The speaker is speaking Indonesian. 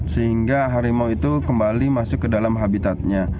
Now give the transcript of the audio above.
sehingga harimau itu kembali masuk ke dalam habitatnya